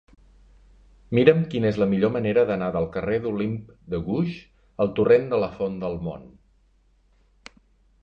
Mira'm quina és la millor manera d'anar del carrer d'Olympe de Gouges al torrent de la Font del Mont.